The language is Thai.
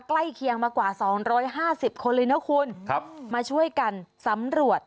ใกล้เคียงมากว่า๒๕๐คนเลยน่ะคุณค่ะมาช่วยกันซ้ำหลวด